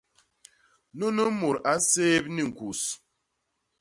Nunu mut a nséép ni ñkus.